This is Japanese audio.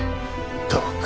どうか。